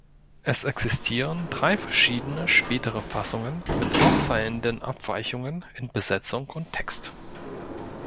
Es existieren drei verschiedene spätere Fassungen mit auffallenden Abweichungen in Besetzung und Text.